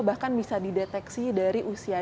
bahkan bisa dideteksi dari usia